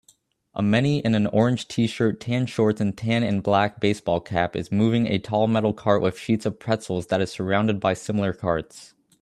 A many in an orange tshirt tan shorts and tan and black baseball cap is moving a tall metal cart with sheets of pretzels that is surrounded by similar carts